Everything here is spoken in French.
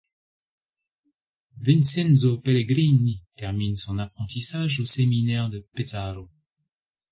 Vincenzo Pellegrini termine son apprentissage au séminaire de Pesaro.